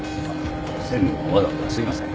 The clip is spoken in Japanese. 専務もわざわざすいません。